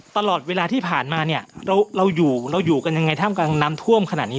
ตลอดเวลาที่ผ่านมาเนี่ยเราอยู่เราอยู่กันยังไงท่ามกลางน้ำท่วมขนาดนี้